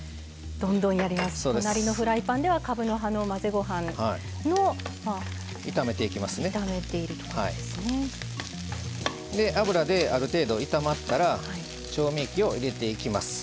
隣のフライパンではかぶの葉っぱの混ぜごはんを油である程度炒まったら調味液を入れていきます。